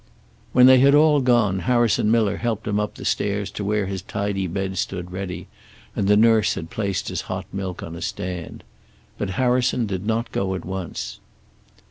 When they had all gone Harrison Miller helped him up the stairs to where his tidy bed stood ready, and the nurse had placed his hot milk on a stand. But Harrison did not go at once.